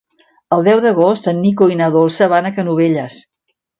El deu d'agost en Nico i na Dolça van a Canovelles.